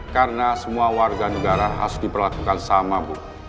karena semua warga negara harus diperlakukan sama bu